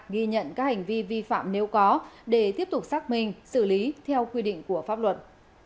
ghi nhận các hành vi vi phạm nếu có để tiếp tục xác minh xử lý theo quy định của pháp luật